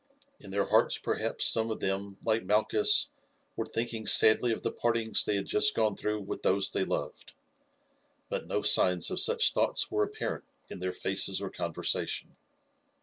In their hearts perhaps some of them, like Malchus, were thinking sadly of the partings they had just gone through with those they loved, but no signs of such thoughts were apparent in their faces or conversation.